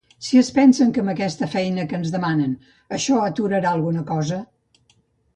Si es pensen que amb aquesta feina que ens demanen això aturarà alguna cosa.